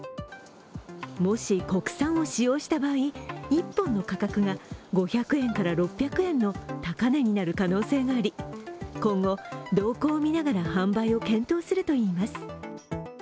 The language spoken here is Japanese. もし国産を使用した場合、１本の価格が５００円から６００円の高値になる可能性があり今後、動向を見ながら販売を検討するといいます。